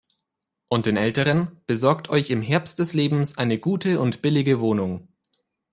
Und den Älteren: Besorgt euch im Herbst des Lebens eine gute und billige Wohnung!